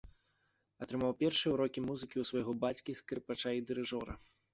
Атрымаў першыя ўрокі музыкі ў свайго бацькі, скрыпача і дырыжора.